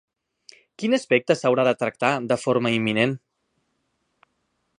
Quin aspecte s'haurà de tractar de forma imminent?